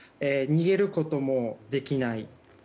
逃げることもできない。